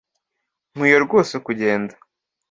Nkwiye rwose kugenda